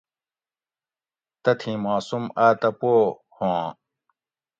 تتھیں ماسوم آۤتہ پوھ ہُواں